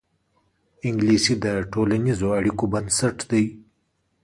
انګلیسي د ټولنیزو اړیکو بنسټ دی